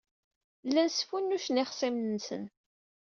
Llan sfunnucen ixṣimen-nsen.